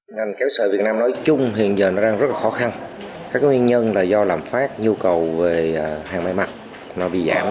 ngành kéo sợ việt nam nói chung hiện giờ nó đang rất là khó khăn các nguyên nhân là do làm phát nhu cầu về hàng may mặt bị giảm